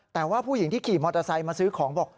แต่ว่าผู้หญิงที่ขี่มอเตอร์ไซค์มาซื้อของบอก